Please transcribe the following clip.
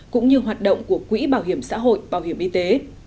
cũng như hoạt động của quỹ bảo hiểm xã hội bảo hiểm y tế